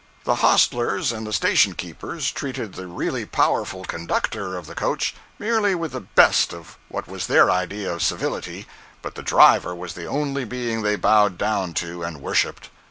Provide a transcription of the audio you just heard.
The hostlers and station keepers treated the really powerful conductor of the coach merely with the best of what was their idea of civility, but the driver was the only being they bowed down to and worshipped.